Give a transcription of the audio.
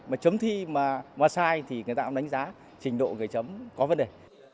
mà chấm thi mà sai thì người ta cũng đánh giá trình độ cái chấm có vấn đề